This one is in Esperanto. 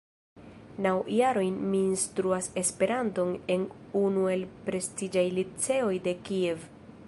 Naŭ jarojn mi instruas Esperanton en unu el prestiĝaj liceoj de Kiev.